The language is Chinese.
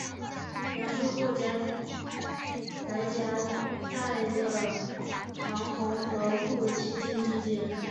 杨树后来夹在了唐红和顾菁菁之间。